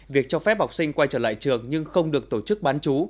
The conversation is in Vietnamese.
việc cho phép học sinh quay trở lại trường nhưng không được tổ chức bán chú